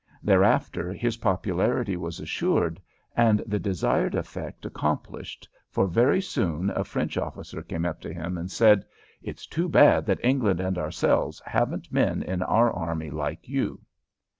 Thereafter his popularity was assured and the desired effect accomplished, for very soon a French officer came up to him and said, "It's too bad that England and ourselves haven't men in our army like you."